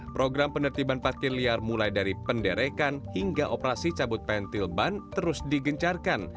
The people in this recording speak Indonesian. program penertiban parkir liar mulai dari penderekan hingga operasi cabut pentil ban terus digencarkan